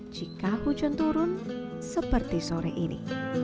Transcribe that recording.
jika hujan turun seperti sore ini